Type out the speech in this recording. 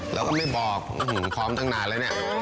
เราก็ไม่บอกพร้อมตั้งนานแล้วเนี่ย